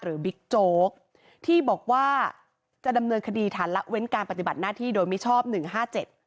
บิ๊กโจ๊กที่บอกว่าจะดำเนินคดีฐานละเว้นการปฏิบัติหน้าที่โดยมิชอบหนึ่งห้าเจ็ด